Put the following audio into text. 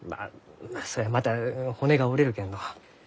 そりゃまた骨が折れるけんど。